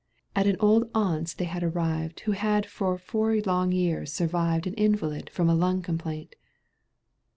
At an old aunt's they had arrived Who had for four long years survived An invalid from lung complaint.